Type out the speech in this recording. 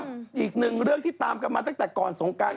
อีกหนึ่งเรื่องที่ตามกันมาตั้งแต่ก่อนสงการ